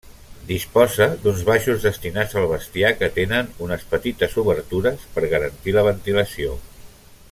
Disposa d'uns baixos destinats al bestiar que tenen unes petites obertures per garantir la ventilació.